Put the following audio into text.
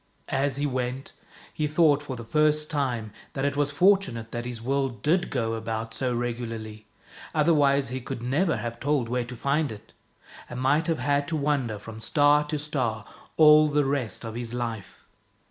As he went, he thought for the first time that it was fortunate that his world did go about so regularly, otherwise he could never have told where to find it, and might have had to wander from star to star all the rest of his life.